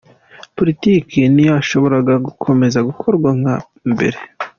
Politiki ntiyashoboraga gukomeza gukorwa nka mbere.”